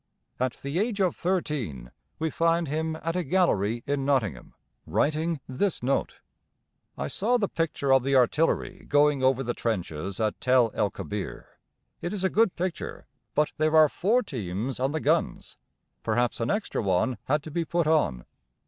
At the age of thirteen we find him at a gallery in Nottingham, writing this note: "I saw the picture of the artillery going over the trenches at Tel el Kebir. It is a good picture; but there are four teams on the guns. Perhaps an extra one had to be put on."